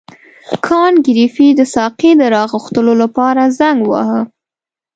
کانت ګریفي د ساقي د راغوښتلو لپاره زنګ وواهه.